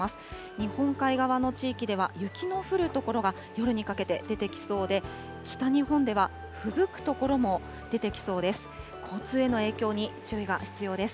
日本海側の地域では雪の降る所が、夜にかけて出てきそうで、北日本ではふぶく所も出てきそうです。